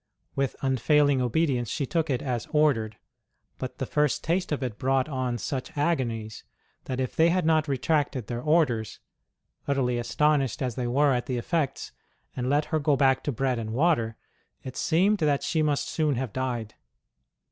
With unfailing obedience she took it as ordered; but the first taste of it brought on such agonies that if they had not retracted their orders utterly astonished as they were at the effects and let her go back to bread and water, it seemed that she must soon have died.